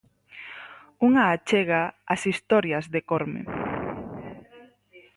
Unha achega ás historias de Corme.